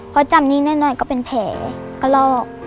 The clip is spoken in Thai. พอจำนี่นิดหน่อยก็เป็นแผลกลอก